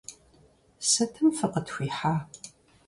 Сытым фыкъытхуихьа?